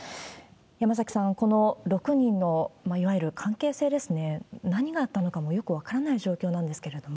山崎さん、この６人の、いわゆる関係性ですね、何があったのか、よく分からない状況なんですけれども。